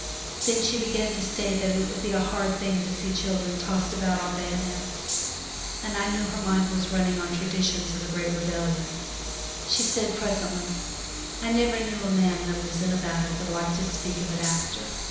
Then she began to say that it would be a hard thing to see children tossed about on bayonets, and I knew her mind was running on tradi tions of the great rebellion. She said presently, ' I never knew a man that was in a battle that liked to speak of it after.